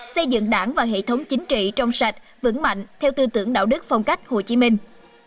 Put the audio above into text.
xây dựng đảng và hệ thống chính trị trong sạch vững mạnh theo tư tưởng đạo đức phong cách hồ chí minh